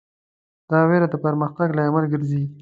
دا وېره د پرمختګ لامل ګرځي.